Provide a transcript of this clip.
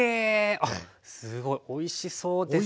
あっすごいおいしそうですね。